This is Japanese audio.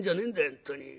本当に。